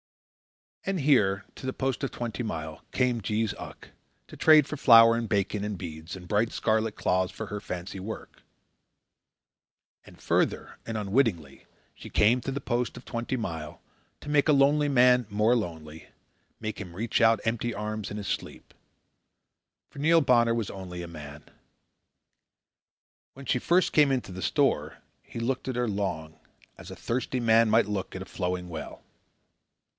And here, to the post of Twenty Mile, came Jees Uck, to trade for flour and bacon, and beads, and bright scarlet cloths for her fancy work. And further, and unwittingly, she came to the post of Twenty Mile to make a lonely man more lonely, make him reach out empty arms in his sleep. For Neil Bonner was only a man. When she first came into the store, he looked at her long, as a thirsty man may look at a flowing well.